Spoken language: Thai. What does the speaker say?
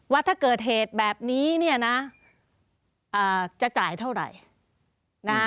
ว่าถ้าเกิดเหตุแบบนี้เนี่ยนะจะจ่ายเท่าไหร่นะ